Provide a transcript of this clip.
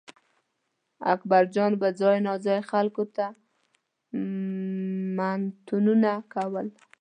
اکبرجان به ځای ناځای خلکو ته منتونه کول.